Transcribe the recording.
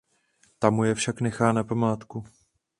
Ta mu je však nechá na památku.